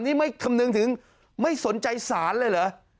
นี่ไม่คำนึงถึงไม่สนใจสารเลยเหรอ